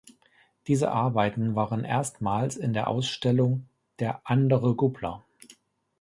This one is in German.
Diese Arbeiten waren erstmals in der Ausstellung "Der andere Gubler.